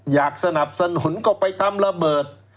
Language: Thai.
อยากสนับสนุนก็ไปทำระเบิด